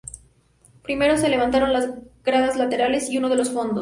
Primero, se levantaron las gradas laterales y uno de los fondos.